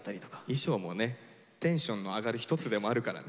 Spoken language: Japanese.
衣装もねテンションの上がる一つでもあるからね。